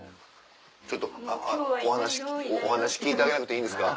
ちょっとお話お話聞いてあげなくていいんですか。